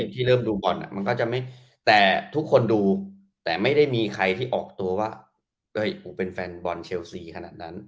ที่เริ่มดูบอลมันก็จะไม่แต่ทุกคนดูแต่ไม่ได้มีใครที่ออกตัวว่าเป็นแฟนบอลเชลซีขนาดนั้น